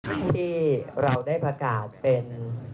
ที่เราได้ประกาศเป็น